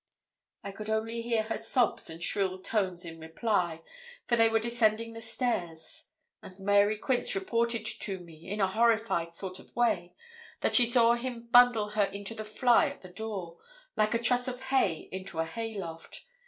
I could only hear her sobs and shrill tones in reply, for they were descending the stairs; and Mary Quince reported to me, in a horrified sort of way, that she saw him bundle her into the fly at the door, like a truss of hay into a hay loft.